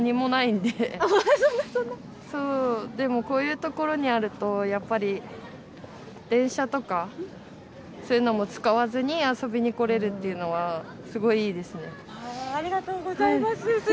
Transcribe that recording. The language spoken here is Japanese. でもこういう所にあると、やっぱり電車とか、そういうのも使わずに遊びに来れるっていうのは、すありがとうございます。